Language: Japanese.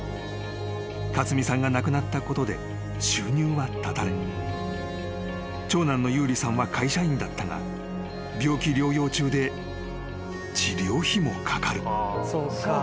［勝美さんが亡くなったことで収入は絶たれ長男の勇梨さんは会社員だったが病気療養中で治療費もかかる］